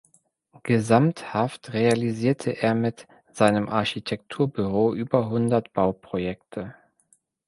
Gesamthaft realisierte er mit seinem Architekturbüro über hundert Bauprojekte.